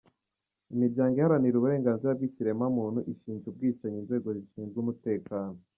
Imiryango iharanira uburenganzira bw'ikiremwa muntu ishinja ubwicanyi inzengo zishinzwe umutekano.